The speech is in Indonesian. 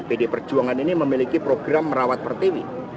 pd perjuangan ini memiliki program merawat pertiwi